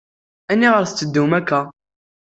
Aniɣer tetteddum akk-a?